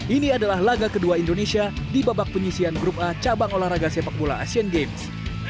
ini adalah laga kedua indonesia di babak penyisian grup a cabang olahraga sepak bola asian games